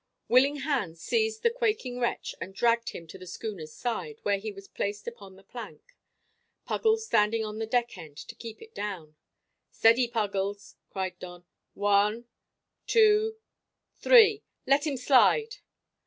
[Illustration: 0022] Willing hands seized the quaking wretch and dragged him to the schooner's side, where he was placed upon, the plank, Puggles standing on the deck end to keep it down. "Steady, Puggles!" cried Don. "One, two, three let him slide!"